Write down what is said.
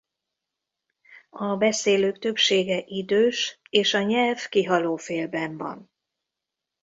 A beszélők többsége idős és a nyelv kihalófélben van.